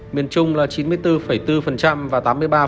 miền trung là chín mươi bốn bốn và tám mươi ba